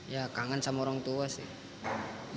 ya kangen sama orang tua sih